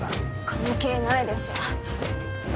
関係ないでしょ。